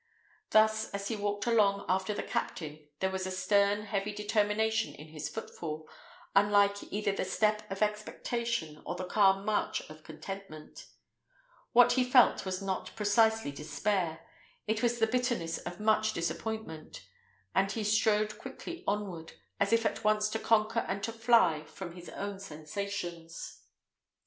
Thus, as he walked along after the captain, there was a stern, heavy determination in his footfall, unlike either the light step of expectation or the calm march of contentment. What he felt was not precisely despair: it was the bitterness of much disappointment; and he strode quickly onward, as if at once to conquer and to fly from his own sensations.